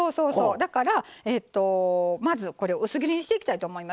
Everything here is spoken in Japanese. だからまずこれを薄切りにしていきたいと思います。